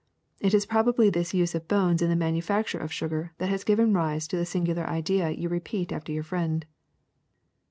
It is probably this use of bones in the manu facture of sugar that has given rise to the singular idea you repeat after your friend.